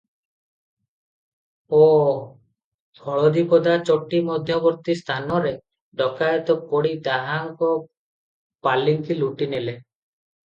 ଓ ହଳଦୀପଦା ଚଟି ମଧ୍ୟବର୍ତ୍ତୀ ସ୍ଥାନରେ ଡକାଏତ ପଡ଼ି ତାହାଙ୍କ ପାଲିଙ୍କି ଲୁଟି ନେଲେ ।